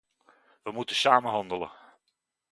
Wij moeten samen handelen.